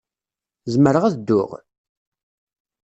Zemreɣ ad dduɣ?